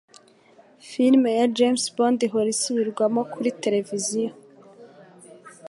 Filime ya James Bond ihora isubirwamo kuri tereviziyo